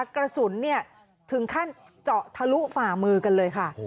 กระสุนถึงขั้นเจาะทะลุฝ่ามือกันเลยค่ะ